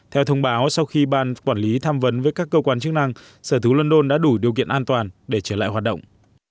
theo thông báo sau khi ban quản lý tham vấn với các cơ quan chức năng sở thú london đã đủ điều kiện an toàn để trở lại hoạt động